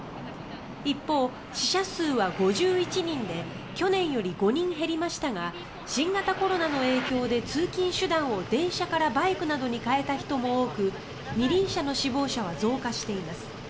一方、死者数は５１人で去年より５人減りましたが新型コロナの影響で通勤手段を電車からバイクなどに変えた人も多く二輪車の死亡率は増加しています。